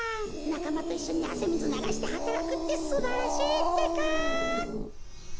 なかまといっしょにあせみずながしてはたらくってすばらしいってか！